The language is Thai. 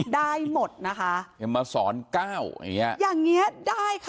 ได้หมดนะคะยังมาสอนก้าวอย่างนี้อย่างนี้ได้ค่ะ